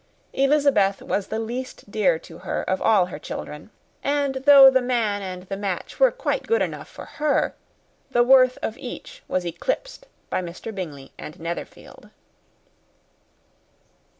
Elizabeth was the least dear to her of all her children; and though the man and the match were quite good enough for her, the worth of each was eclipsed by Mr. Bingley and Netherfield.